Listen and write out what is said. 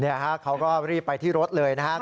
นี่ครับเขาก็รีบไปที่รถเลยนะครับ